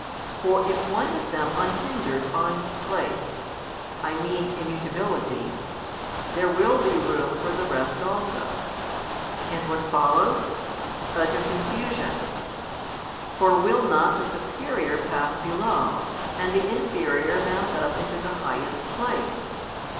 For if one of them unhindered finds place (I mean Immutability) there will be room for the rest also, and what follows? utter confusion. For will not the superior pass below, and the inferior mount up into the highest place?